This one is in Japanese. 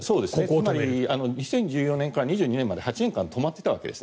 つまり２０１４年から２２年まで８年間止まっていたわけです。